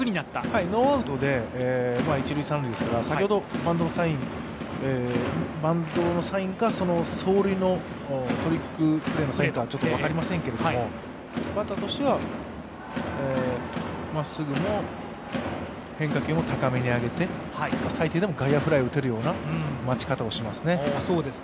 ノーアウトで一・三塁ですから、バントのサインか、走塁のトリックプレーのサインか、分かりませんけど、バッターとしてはまっすぐも変化球も高めに上げて最低でも外野フライを打てるような待ち方をしますね。